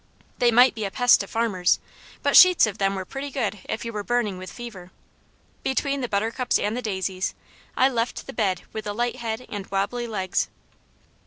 They might be a pest to farmers, but sheets of them were pretty good if you were burning with fever. Between the buttercups and the daisies I left the bed with a light head and wobbly legs.